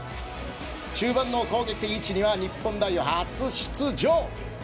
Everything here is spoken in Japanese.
中盤の攻撃的位置には日本代表初出場。